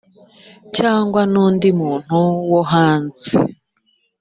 cyangwa n’undi muntu wo hanze